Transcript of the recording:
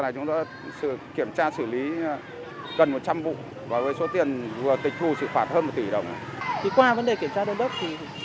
chúng tôi dự kiến sang năm sau chúng tôi sẽ tham dự cho ban chỉ đạo ba trăm tám mươi chín quốc gia